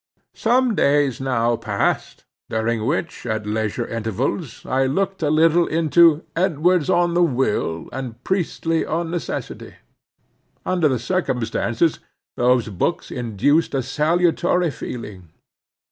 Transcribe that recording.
Some days now passed, during which, at leisure intervals I looked a little into "Edwards on the Will," and "Priestly on Necessity." Under the circumstances, those books induced a salutary feeling.